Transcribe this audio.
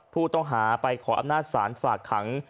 ผู้ต้องหาไปขออำนาจศาลฝากขัง